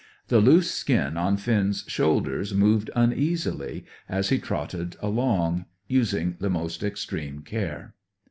The loose skin on Finn's shoulders moved uneasily, as he trotted along, using the most extreme care.